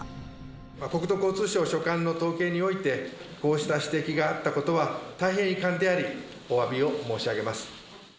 国土交通省所管の統計において、こうした指摘があったことは大変遺憾であり、おわびを申し上げます。